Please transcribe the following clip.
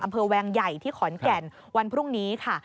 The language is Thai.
แวงใหญ่ที่ขอนแก่นวันพรุ่งนี้ค่ะ